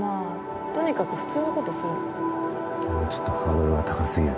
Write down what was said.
とにかく普通のことするの。